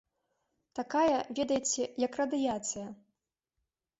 Такая, ведаеце, як радыяцыя.